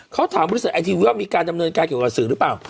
เขาถามบริษัทไอทีวีว่ามีการดำเนินการเกี่ยวกับสื่อหรือเปล่า